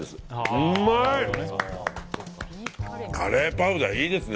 うまい！カレーパウダーいいですね。